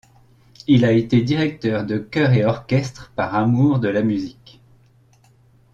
Il a été directeur de chœur et orchestre par amour de la musique.